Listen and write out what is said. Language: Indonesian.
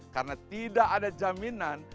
karena tidak ada jaminan